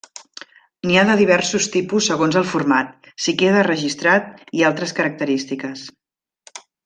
N'hi ha de diversos tipus segons el format, si queda registrat i altres característiques.